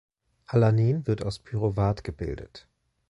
Alanin wird aus Pyruvat gebildet.